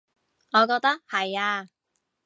我覺得係呀